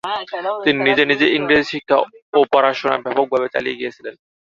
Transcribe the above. তিনি নিজে নিজে ইংরেজি শিক্ষা ও পড়াশোনা ব্যাপকভাবে চালিয়ে গিয়েছিলেন।